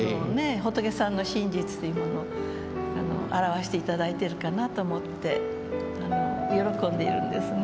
仏さんの真実というものを表して頂いてるかなと思って喜んでいるんですね。